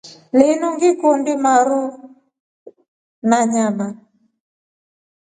Linu ngikundi maru a nyama.